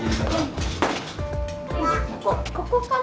ここから。